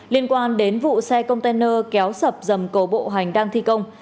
liên quan đến vụ xe container kéo sập dầm cầu bộ hành đang thi công